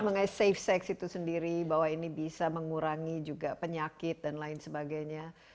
mengenai safe sex itu sendiri bahwa ini bisa mengurangi juga penyakit dan lain sebagainya